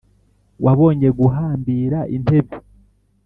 "wabonye guhambira 'intebe.